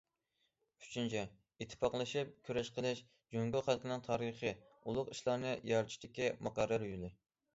ئۈچىنچى، ئىتتىپاقلىشىپ كۈرەش قىلىش جۇڭگو خەلقىنىڭ تارىخىي ئۇلۇغ ئىشلارنى يارىتىشىدىكى مۇقەررەر يولى.